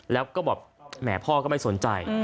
แล้วก็แบบแหมพ่อก็ไม่สนใจ